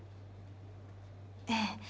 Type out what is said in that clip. ええ。